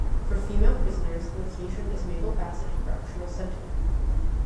For female prisoners, the location is Mabel Bassett Correctional Center.